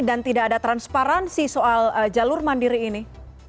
dan tidak ada transparansi soal jalur mandiri ini